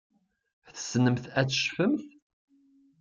Tessnemt ad tecfemt?